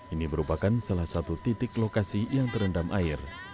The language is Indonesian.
ini merupakan salah satu titik lokasi yang terendam air